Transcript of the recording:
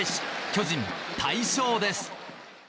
巨人、大勝です。